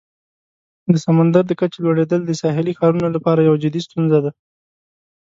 د سمندر د کچې لوړیدل د ساحلي ښارونو لپاره یوه جدي ستونزه ده.